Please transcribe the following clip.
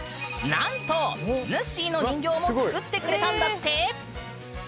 なんとぬっしーの人形も作ってくれたんだって！